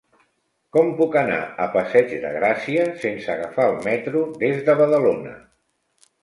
Com puc anar a Passeig de Gràcia sense agafar el metro des de Badalona?